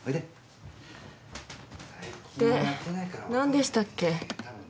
で何でしたっけ？